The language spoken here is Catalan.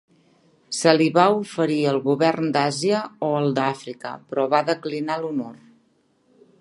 Se li va oferir el govern d'Àsia o el d'Àfrica però va declinar l'honor.